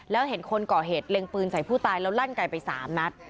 แล้วเห็นคนก่อเหตุเล็งปืนใส่ผู้ตายแล้วลั่นไกลไป๓นัด